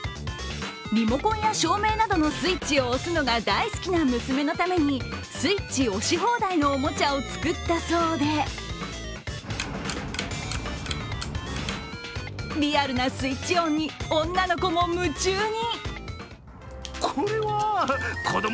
リモコンや照明などのスイッチを押すのが大好きな娘のために、スイッチ押し放題のおもちゃを作ったそうでリアルなスイッチ音に女の子も夢中に。